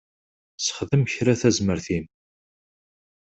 Sexdem kra tazmert-im.